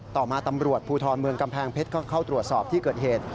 ต่อมาตำรวจภูทรเมืองกำแพงเพชรก็เข้าตรวจสอบที่เกิดเหตุ